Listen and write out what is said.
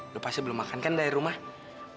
udah pasti belum makan kan dari rumah